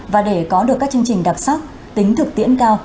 và để có được các chương trình đặc sắc tính thực tiễn cao